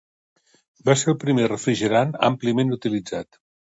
Va ser el primer refrigerant àmpliament utilitzat.